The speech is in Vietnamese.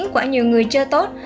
quả nhiều người chưa tốt